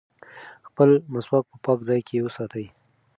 خپل مسواک په پاک ځای کې وساتئ.